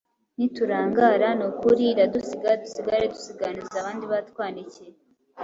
Niturangara ni ukuri iradusiga dusigare dusiganuza abandi batwanikiye.